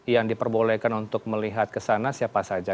yang diperbolehkan untuk melihat ke sana siapa saja